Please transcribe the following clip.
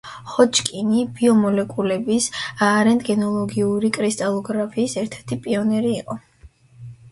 ჰოჯკინი ბიომოლეკულების რენტგენოლოგიური კრისტალოგრაფიის ერთ-ერთი პიონერი იყო.